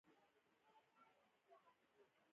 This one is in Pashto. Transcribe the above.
وروسته د بازنطینانو له خوا بیا رغول شوې دي.